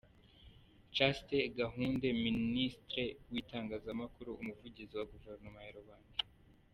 Chaste Gahunde, Ministre w’Itangazamakuru, Umuvugizi wa Guverinoma ya rubanda